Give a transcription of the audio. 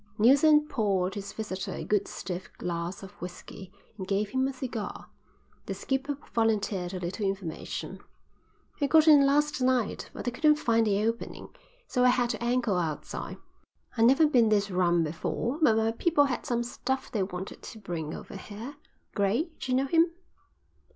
Neilson poured his visitor a good stiff glass of whisky and gave him a cigar. The skipper volunteered a little information. "I got in last night, but I couldn't find the opening, so I had to anchor outside. I never been this run before, but my people had some stuff they wanted to bring over here. Gray, d'you know him?"